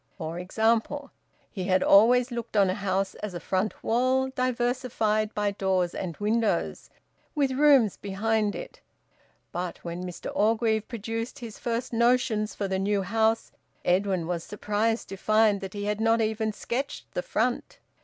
For example, he had always looked on a house as a front wall diversified by doors and windows, with rooms behind it. But when Mr Orgreave produced his first notions for the new house Edwin was surprised to find that he had not even sketched the front.